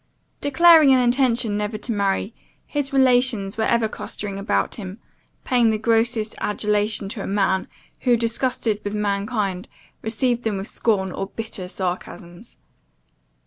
"Declaring an intention never to marry, his relations were ever clustering about him, paying the grossest adulation to a man, who, disgusted with mankind, received them with scorn, or bitter sarcasms.